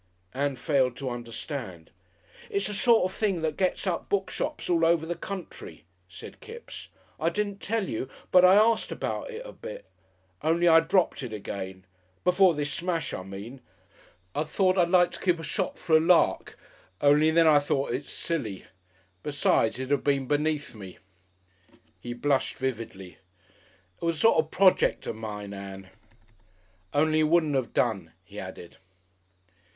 Ann failed to understand. "It's a sort of thing that gets up book shops all over the country," said Kipps. "I didn't tell you, but I arst about it a bit. On'y I dropped it again. Before this smash, I mean. I'd thought I'd like to keep a shop for a lark, on'y then I thought it silly. Besides it 'ud 'ave been beneath me." He blushed vividly. "It was a sort of projek of mine, Ann. "On'y it wouldn't 'ave done," he added.